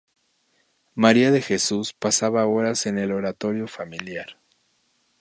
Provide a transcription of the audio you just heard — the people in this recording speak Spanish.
María de Jesús pasaba horas en el oratorio familiar.